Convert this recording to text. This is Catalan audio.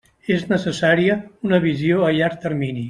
És necessària una visió a llarg termini.